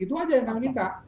itu aja yang kami minta